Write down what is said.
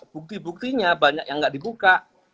bukti buktinya banyak yang nggak dibuka